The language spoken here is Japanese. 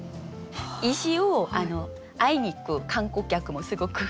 石を会いに行く観光客もすごく。